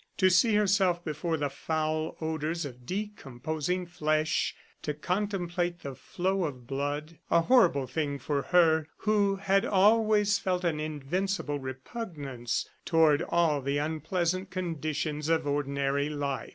To see herself before the foul odors of decomposing flesh, to contemplate the flow of blood a horrible thing for her who had always felt an invincible repugnance toward all the unpleasant conditions of ordinary life!